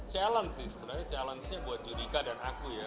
challenge sih sebenarnya challenge nya buat judika dan aku ya